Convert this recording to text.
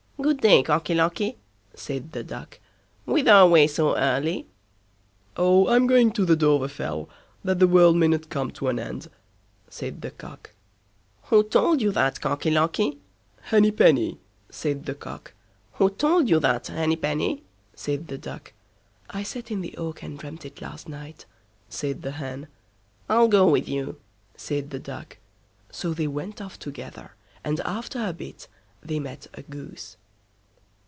"Good day, Cocky Locky", said the Duck, "whither away so early?" "Oh, I'm going to the Dovrefell, that the world mayn't come to an end", said the Cock. "Who told you that, Cocky Locky?" "Henny Penny", said the Cock. "Who told you that, Henny Penny?" said the Duck. "I sat in the oak and dreamt it last night", said the Hen. "I'll go with you", said the Duck. So they went off together, and after a bit they met a Goose.